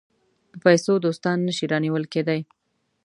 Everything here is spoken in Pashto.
په پیسو دوستان نه شي رانیول کېدای.